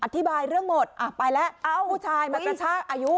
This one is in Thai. อธิบายเรื่องหมดอ่ะไปแล้วเอ้าผู้ชายมากระชากอายุ